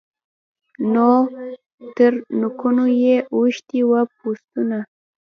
تر لکونو یې اوښتي وه پوځونه